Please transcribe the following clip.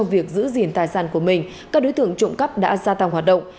việc giữ gìn tài sản của mình các đối tượng trộm cắp đã gia tăng hoạt động